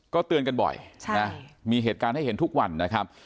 เตือนกันบ่อยมีเหตุการณ์ให้เห็นทุกวันนะครับ